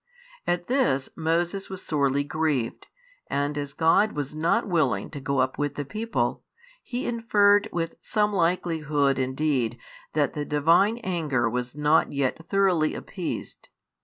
At this Moses was sorely grieved, and as God was not willing to go up with the people, he inferred with some likelihood indeed that the Divine anger was not yet thoroughly appeased.